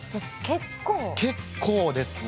結構ですね。